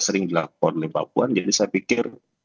sering dilakukan oleh mbak puan jadi saya pikir